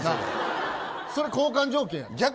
それ交換条件や。